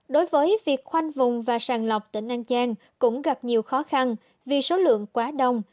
đối với việc khoanh vùng và sàng lọc tỉnh an giang cũng gặp nhiều khó khăn vì số lượng quá đông